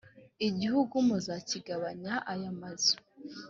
igihugu muzakigabanya aya mazu.